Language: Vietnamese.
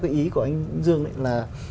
cái ý của anh dương đấy là